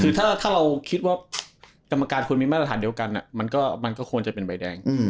คือถ้าเราคิดว่ากรรมการควรมีมาตรฐานเดียวกันมันก็ควรจะเป็นใบแดง